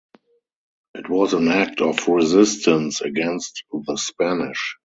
It was an act of resistance against the Spanish.